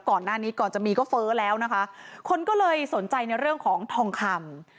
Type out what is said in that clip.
ก่อนหน้านี้ก่อนจะมีก็เฟ้อแล้วนะคะคนก็เลยสนใจในเรื่องของทองคำ